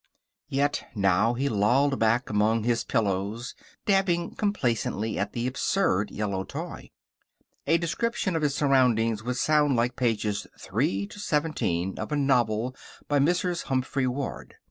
Yet now he lolled back among his pillows, dabbing complacently at the absurd yellow toy. A description of his surroundings would sound like pages 3 to 17 of a novel by Mrs. Humphry Ward.